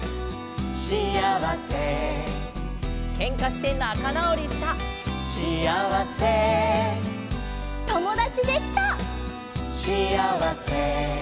「シアワセ」「ケンカしてなかなおりした」「シアワセ」「ともだちできた」「シアワセ」